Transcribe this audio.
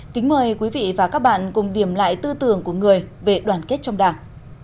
kính mời quý vị và các bạn cùng điểm lại tư tưởng của người về đoàn kết trong đảng